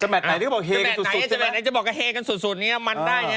ในในที่เขาบอกเฮเลยเนี่ยมันได้เนี่ย